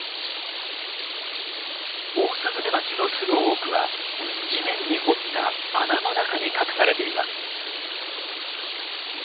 オオスズメバチの巣の多くは地面に掘った穴の中に隠されています。